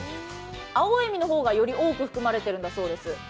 青い実の方がより多く含まれているんだそうです。